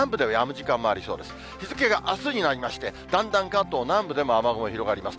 日付があすになりまして、だんだん関東南部でも雨雲広がります。